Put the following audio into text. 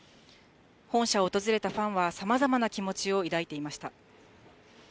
本社を訪れたファンは、さまざまな気持ちを抱いていました。